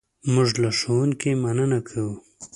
موږ له ښوونکي مننه کوو.